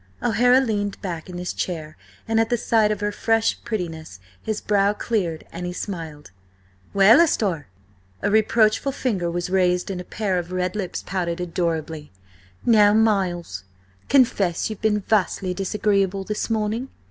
O'Hara leaned back in his chair, and at the sight of her fresh prettiness his brow cleared and he smiled. "Well, asthore?" A reproachful finger was raised and a pair of red lips pouted adorably. "Now, Miles, confess you've been vastly disagreeable this morning.